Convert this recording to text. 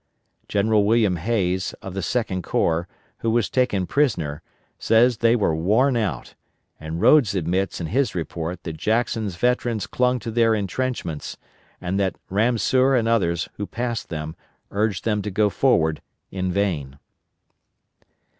General William Hays, of the Second Corps, who was taken prisoner, says they were worn out, and Rodes admits in his report that Jackson's veterans clung to their intrenchments, and that Ramseur and others who passed them, urged them to go forward in vain.